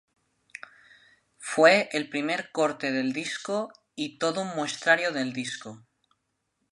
Fue el primer corte del disco y todo un muestrario del disco.